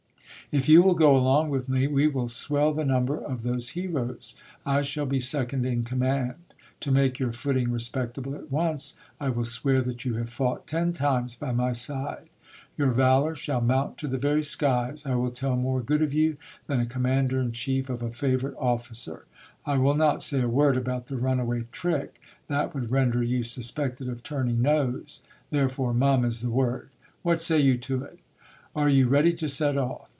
If you will go along with me, we will swell the number of those heroes. I shall be second in command. To make your footing respectable at once, I will swear that you have fought ten times by my side. Your valour shall mount to the very skies. I will tell more good of you than a commander in chief of a favourite officer. I will not say a word about the run away trick, that would render you suspected of turning nose, therefore mum is the word. What say you to it? Are you ready to set off?